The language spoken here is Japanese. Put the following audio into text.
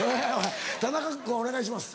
田中君お願いします。